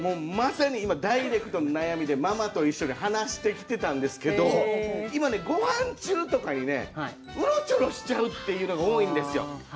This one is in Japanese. まさに、今ダイレクトな悩みで、ママと一緒で話してきてたんですけどごはん中とかにうろちょろしちゃうというのが多いんですよ。